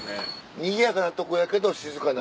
にぎやかなとこやけど静かな。